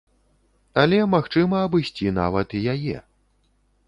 Але магчыма абысці нават і яе.